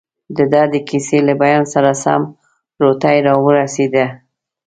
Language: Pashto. دده د کیسې له بیان سره سم، روټۍ راورسېده.